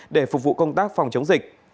để phục vụ công tác phòng chống dịch